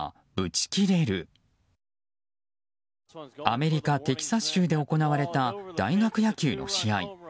アメリカ・テキサス州で行われた大学野球の試合。